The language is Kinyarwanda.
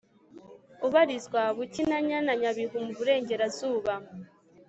ubarizwa bukinanyana nyabihu mu burengerazuba